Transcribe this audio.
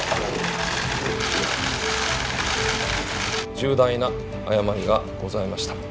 重大な誤りがございました。